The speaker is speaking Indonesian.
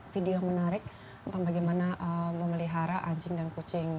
video menarik tentang bagaimana memelihara anjing dan kucing